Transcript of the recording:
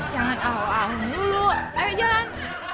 jangan awal awal dulu ayo jalan